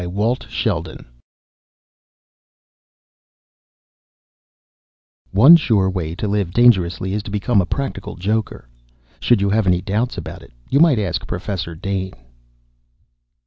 Walt Sheldon_ One sure way to live dangerously is to become a practical joker. Should you have any doubts about it you might ask Professor Dane.